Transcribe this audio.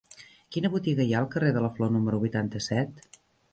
Quina botiga hi ha al carrer de la Flor número vuitanta-set?